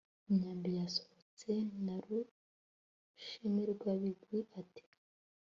imyambi yasohotse na Rushimirwabigwi ati